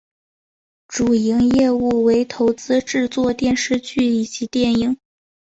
主营业务为投资制作电视剧以及电影。